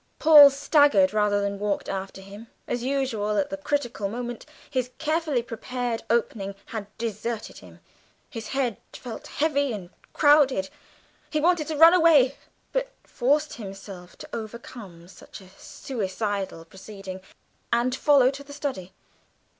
Paul staggered rather than walked after him: as usual at the critical moment his carefully prepared opening had deserted him his head felt heavy and crowded he wanted to run away, but forced himself to overcome such a suicidal proceeding and follow to the study.